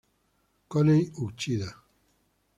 Kohei Uchida